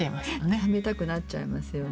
食べたくなっちゃいますよね。